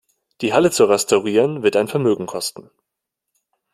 Die Halle zu restaurieren, wird ein Vermögen kosten.